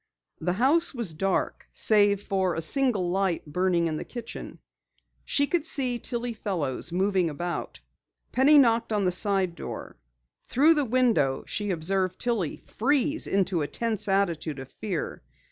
The house was dark save for a single light burning in the kitchen. She could see Tillie Fellows moving about. Penny knocked on the side door. Through the window she observed Tillie freeze into a tense attitude of fear.